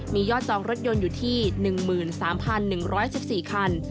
มียอดจองรถยนต์อยู่ที่๑๓๑๑๔คัน